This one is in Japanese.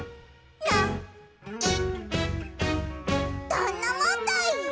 「どんなもんだい！」